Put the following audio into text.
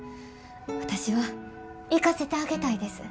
私は行かせてあげたいです。